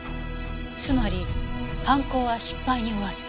つまり犯行は失敗に終わった。